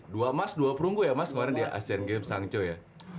dua emas dua perunggu ya mas kemarin di asean games hangco ya